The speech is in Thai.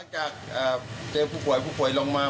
จากเจอผู้ป่วยผู้ป่วยลงมา